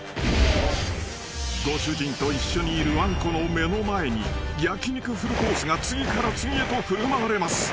［ご主人と一緒にいるわんこの目の前に焼き肉フルコースが次から次へと振る舞われます］